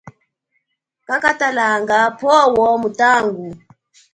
Kakatalanga phowo mutangu.